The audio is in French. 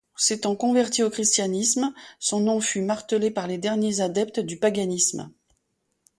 S’étant convertie au christianisme, son nom fut martelé par les derniers adeptes du paganisme.